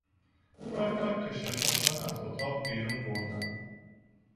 او را کشان کشان از اتاق بیرون بردند.